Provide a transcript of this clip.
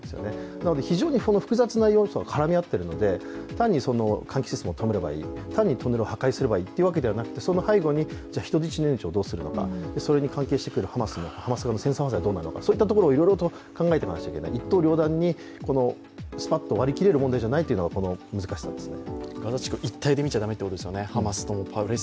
なので非常に複雑な要素が絡み合っているので単にトンネルを破壊すればいいというのではなくその背後に人質の命をどうするのかそれに関連してくるハマスの戦争犯罪をどうするのかそういったところをいろいろと考えていかないといけない、一刀両断にスパッと割り切れる問題ではないというのが、この難しさですね。